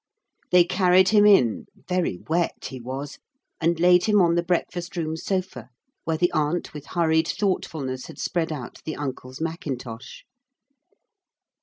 They carried him in, very wet he was, and laid him on the breakfast room sofa, where the aunt with hurried thoughtfulness had spread out the uncle's mackintosh.